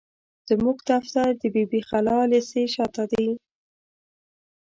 زموږ دفتر د بي بي خالا ليسي شاته دي.